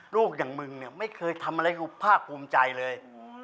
อย่างมึงเนี่ยไม่เคยทำอะไรกูภาคภูมิใจเลย